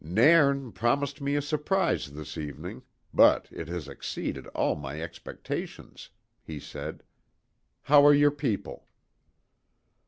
"Nairn promised me a surprise this evening, but it has exceeded all my expectations," he said. "How are your people?"